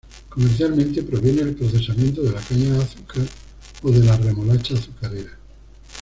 Comercialmente proviene del procesamiento de la caña de azúcar o de la remolacha azucarera.